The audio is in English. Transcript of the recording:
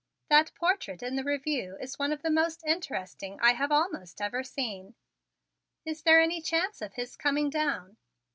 That portrait in the Review is one of the most interesting I have almost ever seen. Is there any chance of his coming down?"